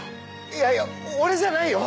いやいや俺じゃないよ。